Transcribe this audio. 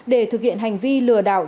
để thực hiện hành vi lừa đảo